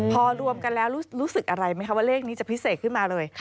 พอรวมกันแล้วรู้สึกอะไรไหมคะว่าเลขนี้จะพิเศษขึ้นมาเลย